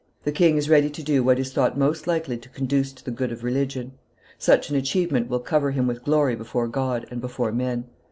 The king is ready to do what is thought most likely to conduce to the good of religion. Such an achievement will cover him with glory before God and before men.